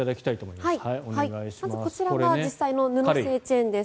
まず、こちらが実際の布製チェーンです。